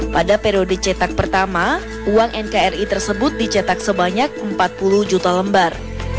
pada periode cetak pertama uang nkri tersebut dicetak sebanyak empat puluh juta lembar